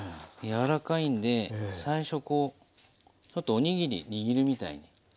柔らかいんで最初こうちょっとお握り握るみたいに。